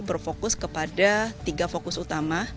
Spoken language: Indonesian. berfokus kepada tiga fokus utama